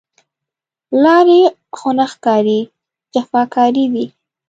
لارې خونکارې، جفاکارې دی